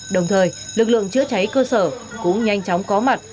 đồng thời lực lượng chữa cháy cơ sở cũng nhanh chóng có mặt